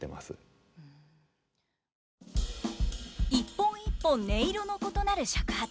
一本一本音色の異なる尺八。